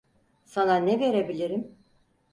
Sana ne verebilirim?